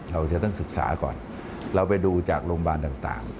เราจะต้องศึกษาก่อนเราไปดูจากโรงพยาบาลต่าง